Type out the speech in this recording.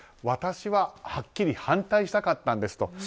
私は、はっきり反対したかったんですと。